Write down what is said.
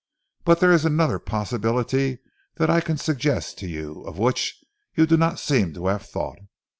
"But there is another possibility that I can suggest to you, of which you do not seem to have thought.